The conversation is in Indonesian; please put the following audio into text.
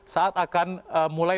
saat akan mulai